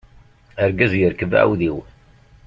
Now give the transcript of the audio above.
Argaz yerkeb aɛudiw.